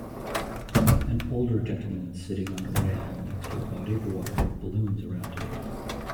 An older gentleman sitting on a rail next to a body of water with balloons around him.